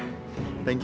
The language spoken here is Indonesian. terima kasih ya